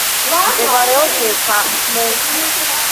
მდებარეობს გომბორის ქედის ჩრდილო-აღმოსავლეთ კალთის ძირას.